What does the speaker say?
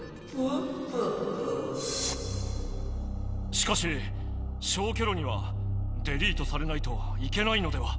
しかし消去炉にはデリートされないと行けないのでは？